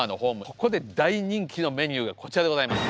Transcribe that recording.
ここで大人気のメニューがこちらでございます。